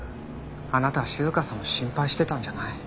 あなたは静香さんを心配してたんじゃない。